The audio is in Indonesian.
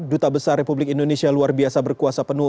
duta besar republik indonesia luar biasa berkuasa penuh